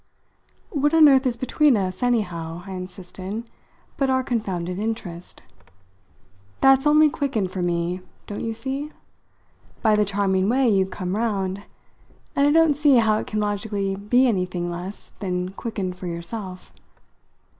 "What on earth is between us, anyhow," I insisted, "but our confounded interest? That's only quickened, for me, don't you see? by the charming way you've come round; and I don't see how it can logically be anything less than quickened for yourself.